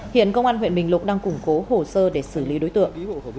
hiện công an huyện bình lục đang củng cố hồ sơ để xử lý đối tượng